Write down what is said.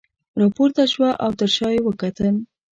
راپورته شوه او تر شاه یې وکتل.